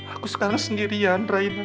aku sekarang sendirian raina